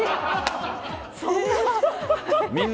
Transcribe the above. そんな。